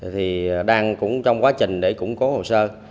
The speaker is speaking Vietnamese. thì đang cũng trong quá trình để củng cố hồ sơ